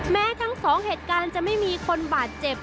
แม้ทั้งสองเหตุการณ์จะไม่มีคนบาดเจ็บ